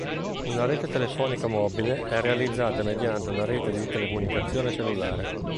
Una rete telefonica mobile è realizzata mediante una rete di telecomunicazione cellulare.